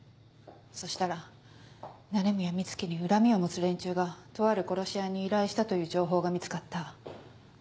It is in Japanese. そしたら鳴宮美月に恨みを持つ連中がとある殺し屋に依頼したという情報が見つかった。